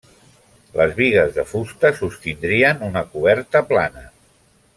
Les bigues de fusta sostindrien una coberta plana.